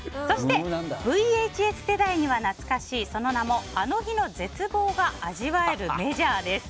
そしてＶＨＳ世代には懐かしいその名もあの日の絶望が味わえるメジャー。